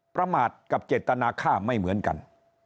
ประมาทกับเจตนาค่าไม่เหมือนกัน